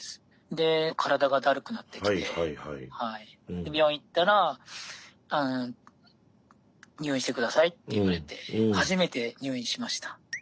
で体がだるくなってきてで病院行ったら「入院して下さい」って言われて初めて入院しました。